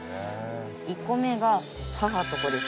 １個目が母と子です。